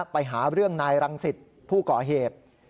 ไปหาเรื่องนายรังสิตผู้ก่อเหตุ